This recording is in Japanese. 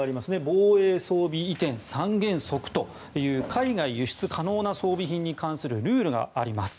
防衛装備移転三原則という海外輸出可能な装備品に関するルールがあります。